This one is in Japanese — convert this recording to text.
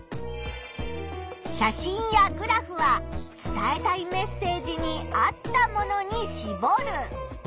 写真やグラフは伝えたいメッセージに合ったものにしぼる。